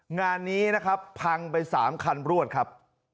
งานนี้นะครับพังไป๓คันรวดครับ